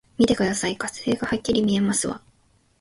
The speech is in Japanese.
見てください、火星がはっきり見えますわ！